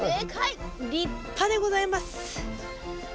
立派でございます。